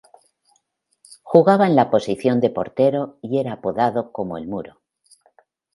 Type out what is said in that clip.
Jugaba en la posición de portero y era apodado como "el muro".